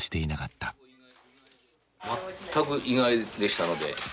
まったく意外でしたので。